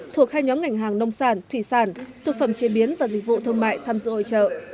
thuộc hai nhóm ngành hàng nông sản thủy sản thực phẩm chế biến và dịch vụ thương mại tham dự hội trợ